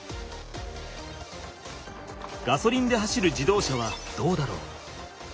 ガソリンで走る自動車はどうだろう。